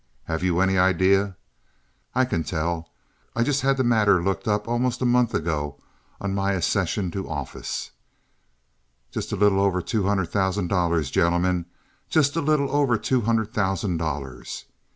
Have you any idea? I can tell. I had the matter looked up almost a month ago on my accession to office. Just a little over two hundred thousand dollars, gentlemen—just a little over two hundred thousand dollars.